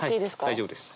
大丈夫です。